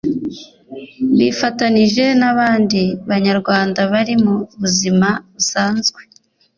bifatanije n’abandi banyarwanda bari mu buzima busanzwe